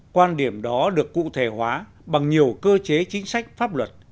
quan điểm đó được cụ thể hóa bằng nhiều cơ chế chính sách pháp luật